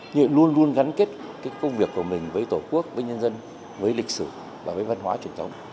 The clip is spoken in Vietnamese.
như luôn luôn gắn kết công việc của mình với tổ quốc với nhân dân với lịch sử và với văn hóa truyền thống